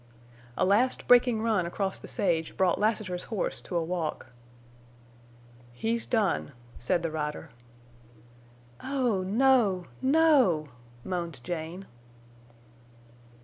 A last breaking run across the sage brought Lassiter's horse to a walk. "He's done," said the rider. "Oh, no—no!" moaned Jane.